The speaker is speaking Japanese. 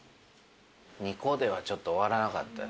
２個ではちょっと終わらなかったですね。